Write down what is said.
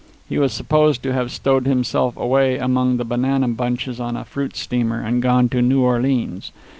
He was supposed to have stowed himself away among the banana bunches on a fruit steamer, and gone to New Orleans.